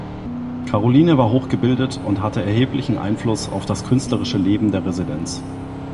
Karoline war hochgebildet und hatte erheblichen Einfluss auf das künstlerische Leben der Residenz.